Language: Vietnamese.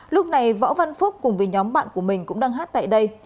lúc này võ văn phúc cùng với nhóm bạn của mình cũng đang hát tại đây